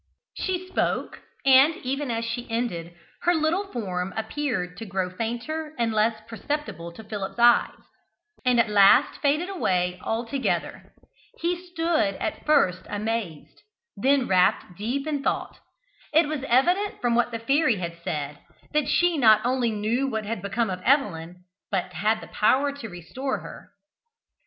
She spoke; and, even as she ended, her little form appeared to grow fainter and less perceptible to Philip's eyes, and at last faded away altogether. He stood at first amazed, and then wrapped in deep thought. It was evident, from what the fairy had said, that she not only knew what had become of Evelyn, but had the power to restore her.